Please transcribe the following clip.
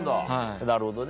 なるほどね。